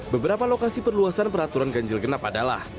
beberapa lokasi perluasan peraturan ganjil genap adalah